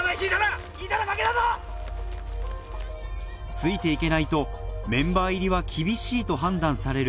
ついて行けないとメンバー入りは厳しいと判断される